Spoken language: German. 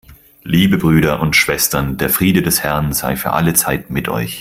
Liebe Brüder und Schwestern, der Friede des Herrn sei für alle Zeit mit euch.